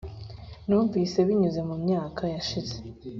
numvise binyuze mu myaka yashize